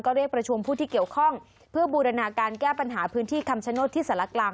เรียกประชุมผู้ที่เกี่ยวข้องเพื่อบูรณาการแก้ปัญหาพื้นที่คำชโนธที่สารกลาง